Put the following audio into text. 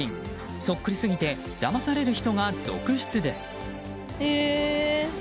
そっくりすぎてだまされる人が続出です。